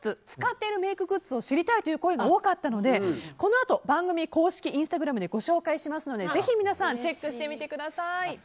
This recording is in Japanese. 前回の放送で使ってるメイクグッズを知りたいという声が多かったので多かったのでこのあと番組公式のインスタグラムでご紹介しますのでぜひ皆さんチェックしてみてください。